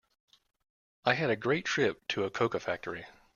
I had a great trip to a cocoa factory.